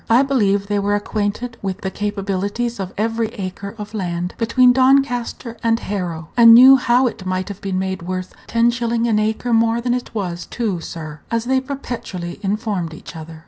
I believe they were acquainted with the capabilities of every acre of land between Doncaster and Harrow, and knew how it might have been made "worth ten shillin' an acre more than it was, too, sir," as they perpetually informed each other.